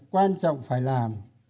quan trọng phải làm